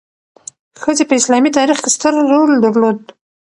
ښځې په اسلامي تاریخ کې ستر رول درلود.